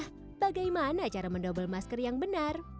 nah bagaimana cara mendouble masker yang benar